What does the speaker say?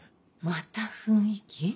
また雰囲気？